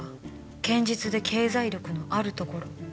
「堅実で経済力のあるところ」